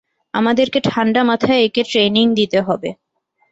আমাদেরকে ঠাণ্ডা মাথায় একে ট্রেইনিং দিতে হবে।